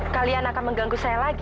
kalian akan mengganggu saya lagi